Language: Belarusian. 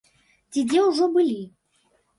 Ці дзе ўжо былі?